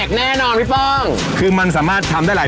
เฮ้ยเฮ้ยเฮ้ยโทรศัพท์รับพอดีเลย